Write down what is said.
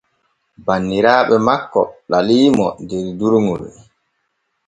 Banniraaɓe makko ɗaliimo der durŋol.